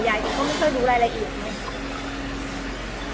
ยายเขาไม่เคยรู้รายละเอียดเลย